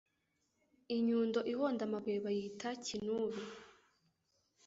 inyundo ihonda amabuye bayita kinubi